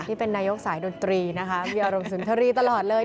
นี่เป็นนายกสายดนตรีนะคะมีอารมณ์สุนทรีย์ตลอดเลย